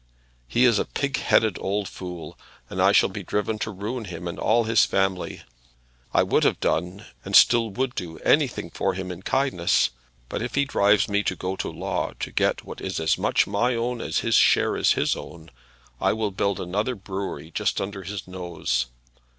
He is a pig headed old fool, and I shall be driven to ruin him and all his family. I would have done, and still would do, anything for him in kindness; but if he drives me to go to law to get what is as much my own as his share is his own, I will build another brewery just under his nose.